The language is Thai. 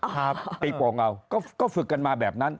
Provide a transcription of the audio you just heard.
ตีโกงเอาก็ฝึกกันมาแบบนั้น